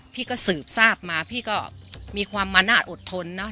พี่ก็สืบทราบมาพี่ก็มีความมานาจอดทนเนอะ